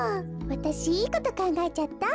わたしいいことかんがえちゃった。